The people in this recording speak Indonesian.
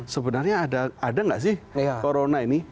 sebenarnya ada nggak sih corona ini